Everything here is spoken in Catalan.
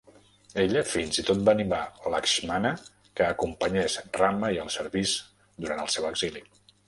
Ella fins i tot va animar Lakshmana que acompanyés Rama i el servís durant el seu exili.